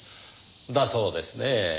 だそうですねぇ。